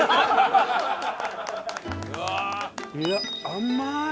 いや甘い！